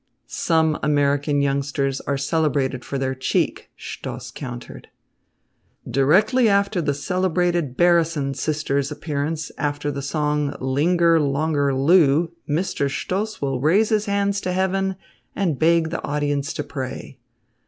"Some American youngsters are celebrated for their cheek," Stoss countered. "Directly after the celebrated Barrison sisters' appearance, after the song 'Linger Longer Loo,' Mr. Stoss will raise his hands to heaven and beg the audience to pray."